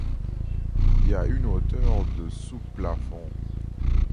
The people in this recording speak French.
Il y a une hauteur de sous plafond.